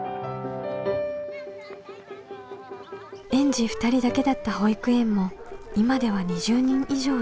園児２人だけだった保育園も今では２０人以上に。